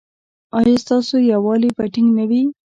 ایا ستاسو یووالي به ټینګ نه وي؟